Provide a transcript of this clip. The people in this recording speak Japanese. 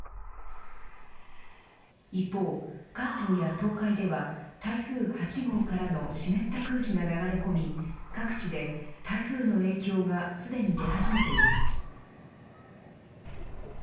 一方、関東や東海では台風８号からの湿った空気が流れ込み各地で台風の影響がすでに出始めています。